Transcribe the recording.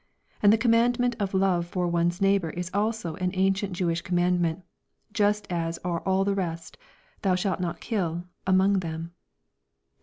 And the commandment of love for one's neighbour is also an ancient Jewish commandment, just as are all the rest, "thou shalt not kill" among them.